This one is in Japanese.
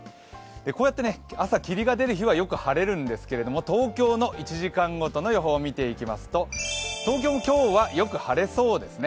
こうやって朝、霧が出る日はよく晴れるんですけど、東京の１時間ごとの予報を見ていきますと東京も今日はよく晴れそうですね。